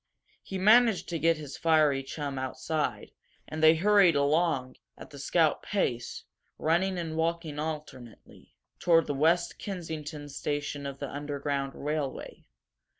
He managed to get his fiery chum outside, and they hurried along, at the scout pace, running and walking alternately, toward the West Kensington station of the Underground Railway.